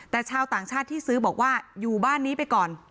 แต่ชาวต่างชาติที่ซื้อบอกว่าอยู่บ้านนี้ไปก่อน